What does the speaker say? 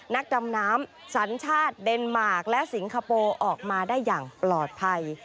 นักดำน้ำสัญชาติเดนมาร์คและสิงคโปร์ออกมาได้อย่างปลอดภัย